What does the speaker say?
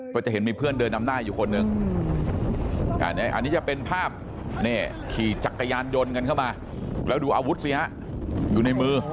ก็จะเห็นมีเพื่อนเดินนำหน้าอยู่คนหนึ่งอันนี้จะเป็นภาพขี่จักรยานยนต์กันเข้ามาแล้วดูอาวุธสิฮะอยู่ในมือ